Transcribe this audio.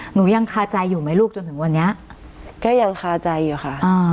หนูยังคาใจอยู่ไหมลูกจนถึงวันนี้ก็ยังคาใจอยู่ค่ะ